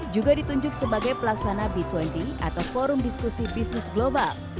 juga ditunjuk sebagai pelaksana b dua puluh atau forum diskusi bisnis global